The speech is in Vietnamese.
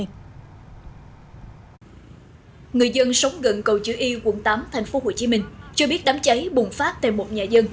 người dân sống gần cầu chữ y quận tám tp hcm cho biết đám cháy bùng phát tại một nhà dân